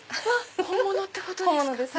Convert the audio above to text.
本物ってことですか？